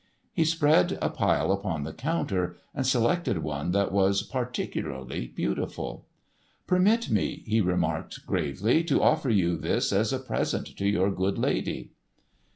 He spread a pile upon the counter, and selected one that was particularly beautiful. "Permit me," he remarked gravely, "to offer you this as a present to your good lady."